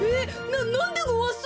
ななんでごわす？